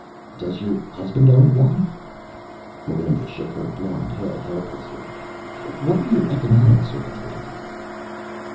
"Does your husband own one?" Melinda shook her blonde head helplessly. "What are your economic circumstances?"